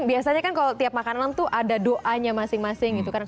biasanya kan kalau tiap makanan tuh ada doanya masing masing gitu kan